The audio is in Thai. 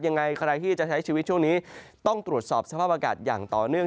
ยังไงใครที่จะใช้ชีวิตช่วงนี้ต้องตรวจสอบสภาพอากาศอย่างต่อเนื่อง